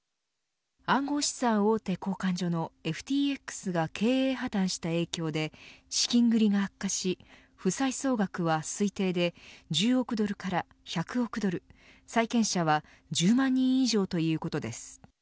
暗号資産大手交換所のＦＴＸが経営破綻した影響で資金繰りが悪化し負債総額は推定で１０億ドルから１００億ドル債権者は１０万人以上ということです。